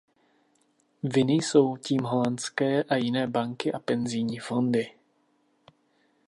Vinny jsou tím holandské a jiné banky a penzijní fondy.